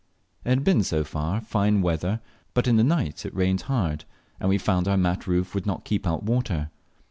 It had been so far fine weather, but in the night it rained hard, and we found our mat roof would not keep out water.